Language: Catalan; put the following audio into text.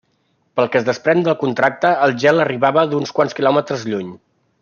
Pel que es desprèn del contracte, el gel arribava d'uns quants quilòmetres lluny.